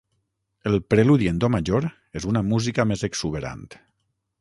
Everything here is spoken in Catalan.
El Preludi en do major és una música més exuberant.